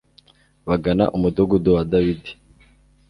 bagana umudugudu wa Dawidi.